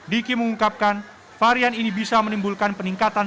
diki mengungkapkan varian ini bisa menimbulkan peningkatan